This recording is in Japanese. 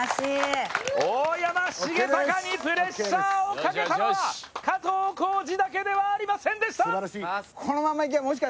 大山重隆にプレッシャーをかけたのは加藤浩次だけではありませんでした。